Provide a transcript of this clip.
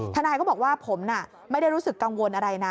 ทนายก็บอกว่าผมน่ะไม่ได้รู้สึกกังวลอะไรนะ